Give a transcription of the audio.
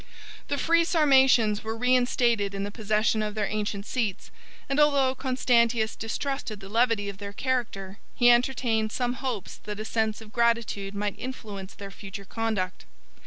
The free Sarmatians were reinstated in the possession of their ancient seats; and although Constantius distrusted the levity of their character, he entertained some hopes that a sense of gratitude might influence their future conduct.